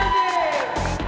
mereka sendiri lho